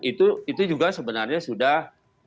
itu juga sebenarnya sudah